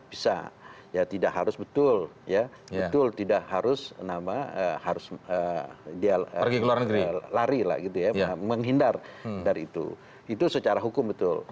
bisa tidak harus betul betul tidak harus pergi ke luar negeri lari lah gitu ya menghindar dari itu itu secara hukum betul